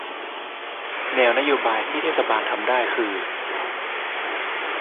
แนวนโยบายที่เทศบาลทำได้คือ